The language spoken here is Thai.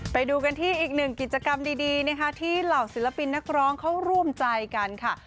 ไปดูกันที่อีกหนึ่งกิจกรรมดีนะคะที่เหล่าศิลปินนักร้องเขาร่วมใจกันค่ะ